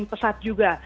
semakin pesat juga